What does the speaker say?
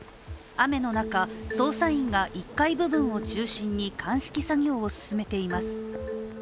雨の中、捜査員が１階部分を中心に鑑識作業を進めています。